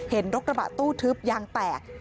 เห็นรถกระบะตู้ทึบยางแตก